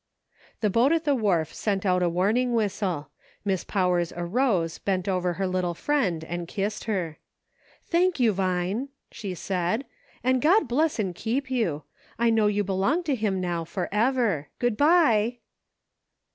The boat at the wharf sent out a warning whistle. Miss Powers arose, bent over her little friend and kissed her. " Thank you, Vine," she said, " and God bless and keep you. I know you belong to him now forever. Good by !